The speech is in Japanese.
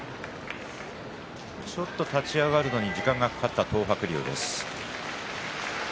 ちょっと立ち上がるのに時間がかかった東白龍です。